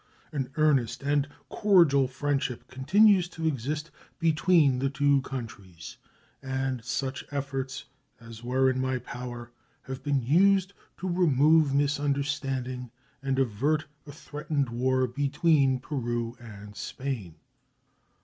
An earnest and cordial friendship continues to exist between the two countries, and such efforts as were in my power have been used to remove misunderstanding and avert a threatened war between Peru and Spain.